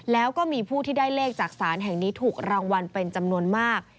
แล้วก็มีผู้ที่ได้เลขจากศาลแห่งนี้ถูกรางวัลเป็นจำนวนมาก